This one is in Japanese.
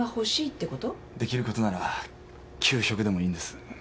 できることなら休職でもいいんです。